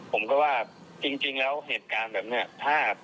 ผมก็ว่าจริงแล้วเหตุการณ์แบบนี้ถ้า